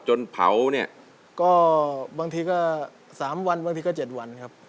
เผาเนี่ยก็บางทีก็๓วันบางทีก็๗วันครับ